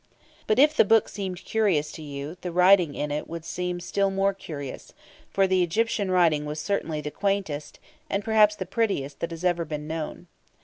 But if the book seemed curious to you, the writing in it would seem still more curious; for the Egyptian writing was certainly the quaintest, and perhaps the prettiest, that has ever been known.